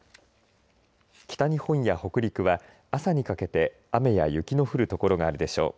北日本や北陸は朝にかけて雨や雪の降る所があるでしょう。